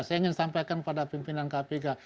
saya ingin sampaikan pada pimpinan kpk